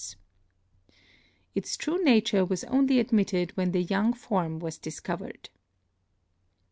(Lankester.) Its true nature was only admitted when the young form was discovered.